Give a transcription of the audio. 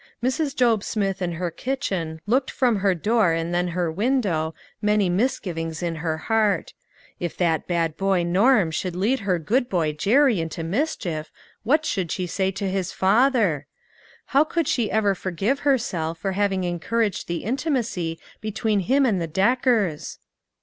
Mrs. Job Smith in her kitchen, looked from her door and then her window, many misgivings in her heart ; if that bad boy Norm should lead her good boy Jerry into mis chief what should she say to his father ? How could she ever forgive herself for having en couraged the intimacy between him and the Deckers